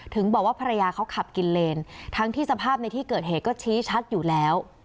ถึงบอกว่าภรรยาเขาขับกินเลนทั้งที่สภาพในที่เกิดเหตุก็ชี้ชัดอยู่แล้ว